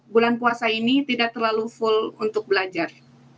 bulan puasa ini tidak terlalu full untuk belajar